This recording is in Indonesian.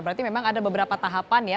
berarti memang ada beberapa tahapan ya